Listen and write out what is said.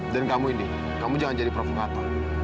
dan kamu indi kamu jangan jadi profek kata